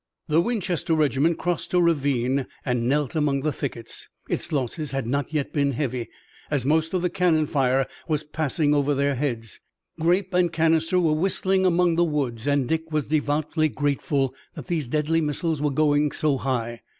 The Winchester regiment crossed a ravine and knelt among the thickets. Its losses had not yet been heavy, as most of the cannon fire was passing over their heads. Grape and canister were whistling among the woods, and Dick was devoutly grateful that these deadly missiles were going so high.